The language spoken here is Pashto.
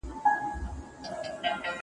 زه مېوې راټولې کړي دي!.